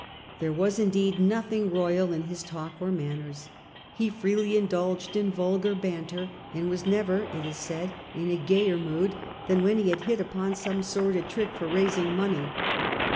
There was, indeed, nothing royal in his talk or manners. He freely indulged in vulgar banter, and was never, it is said, in a gayer mood than when he had hit upon some sordid trick for raising money.